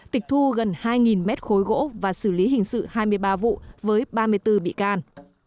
tịch thu gần hai mét khối gỗ và xử lý hình sự hai mươi ba vụ với ba mươi bốn bị can